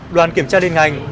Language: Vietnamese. đoàn kiểm tra liên ngành